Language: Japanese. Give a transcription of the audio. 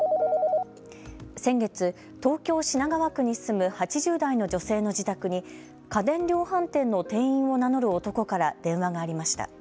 先月、東京品川区に住む８０代の女性の自宅に家電量販店の店員を名乗る男から電話がありました。